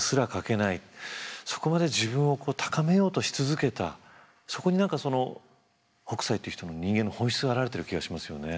そこまで自分を高めようとし続けたそこに何かその北斎という人の人間の本質が表れてる気がしますよね。